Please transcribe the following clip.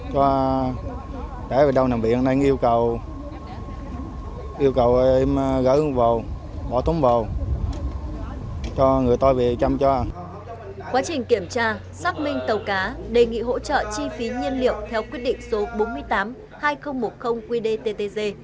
quá trình kiểm tra xác minh tàu cá đề nghị hỗ trợ chi phí nhiên liệu theo quyết định số bốn mươi tám hai nghìn một mươi qdttg